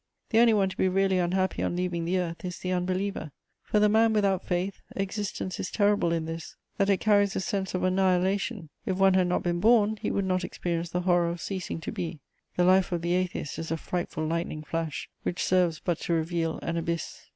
The only one to be really unhappy on leaving the earth is the unbeliever: for the man without faith, existence is terrible in this, that it carries a sense of annihilation; if one had not been born, he would not experience the horror of ceasing to be: the life of the atheist is a frightful lightning flash, which serves but to reveal an abyss.